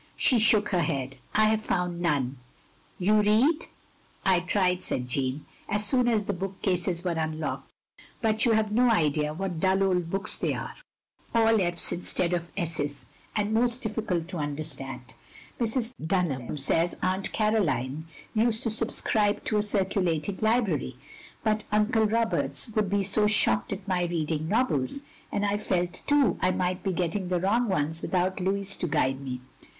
She shook her head. " I have found none. ": You read?" I tried," said Jeanne, " as soon as the book cases were unlocked. But you have no idea what dull old books they are. All f *s instead of 200 THE LONELY LADY s's, and most diffictdt to understand. Mrs. Dtinham says Atant Caroline used to subscribe to a circulating library, but Uncle Roberts would be so shocked at my reading novels; and I felt, too, I might be getting the wrong ones without Louis to guide me.